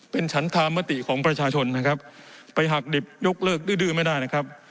เป็นฉันธามติของประชาชนนะครับไปหักดิบยกเลิกดื้อดื้อไม่ได้นะครับ